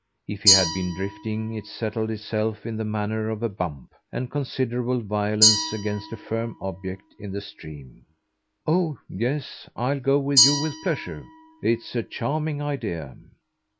If he had been drifting it settled itself in the manner of a bump, of considerable violence, against a firm object in the stream. "Oh yes; I'll go with you with pleasure. It's a charming idea."